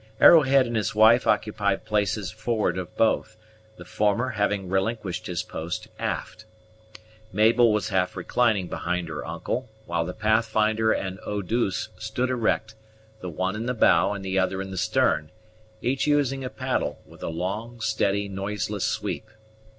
Arrowhead and his wife occupied places forward of both, the former having relinquished his post aft. Mabel was half reclining behind her uncle, while the Pathfinder and Eau douce stood erect, the one in the bow, and the other in the stern, each using a paddle, with a long, steady, noiseless sweep.